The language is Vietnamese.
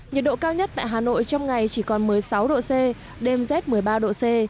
nhiệt độ cao nhất tại hà nội trong ngày chỉ còn một mươi sáu độ c đêm z một mươi ba độ c